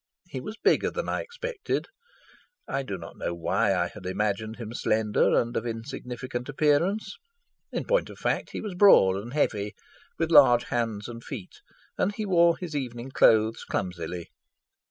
He was bigger than I expected: I do not know why I had imagined him slender and of insignificant appearance; in point of fact he was broad and heavy, with large hands and feet, and he wore his evening clothes clumsily.